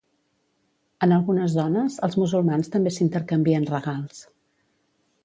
En algunes zones, els musulmans també s'intercanvien regals.